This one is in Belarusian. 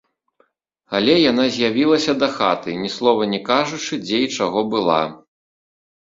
Але яна з'явілася дахаты, ні слова не кажучы, дзе і чаго была.